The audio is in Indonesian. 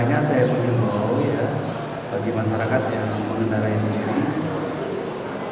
nah karena mungkinpower dominik bagi masyarakat yang mengendalikan niat